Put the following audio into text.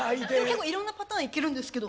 結構いろんなパターンいけるんですけど。